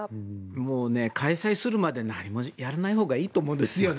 もう開催するまでやらないほうがいいと思うんですよね。